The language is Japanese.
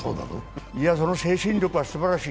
この精神力はすばらしい。